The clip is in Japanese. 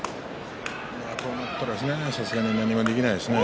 こうなったらさすがに何もできないですね